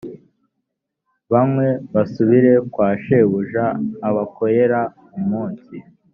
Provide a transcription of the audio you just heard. banywe basubire kwa shebuja abakorera umunsi